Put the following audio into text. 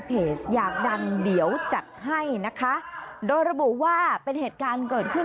เพจอยากดังเดี๋ยวจัดให้นะคะโดยระบุว่าเป็นเหตุการณ์เกิดขึ้น